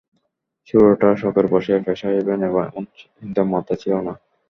শুরুটা শখের বশেই, পেশা হিসেবে নেব এমন চিন্তা মাথায় ছিল না।